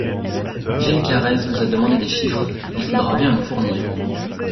Gilles Carrez vous a demandé des chiffres, qu’il faudra bien nous fournir.